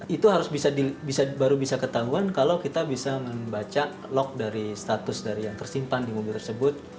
itu harus baru bisa ketahuan kalau kita bisa membaca log dari status dari yang tersimpan di mobil tersebut